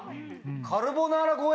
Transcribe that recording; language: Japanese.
カルボナーラ超え！